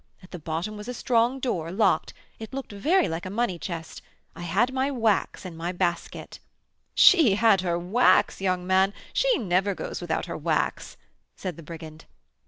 At the bottom was a strong door, locked, it looked very like a money chest. I had my wax in my basket " "She had her wax, young man! She never goes without her wax!" said the brigand.